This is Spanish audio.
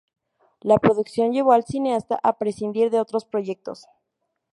La producción llevó al cineasta a prescindir de otros proyectos.